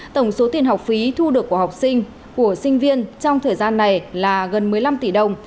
tổng số tiền học phí thu được của học sinh của sinh viên trong thời gian này là gần một mươi năm tỷ đồng